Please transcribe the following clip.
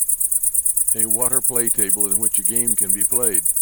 A water play table in which a game can be played.